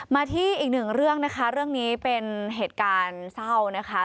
มาที่อีกหนึ่งเรื่องนะคะเรื่องนี้เป็นเหตุการณ์เศร้านะคะ